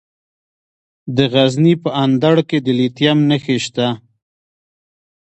د غزني په اندړ کې د لیتیم نښې شته.